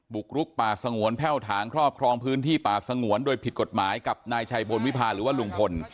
กรุกป่าสงวนแพ่วถางครอบครองพื้นที่ป่าสงวนโดยผิดกฎหมายกับนายชัยพลวิพาหรือว่าลุงพล